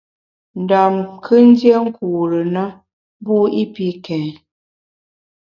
Ndam kù ndié nkure na mbu i pi kèn.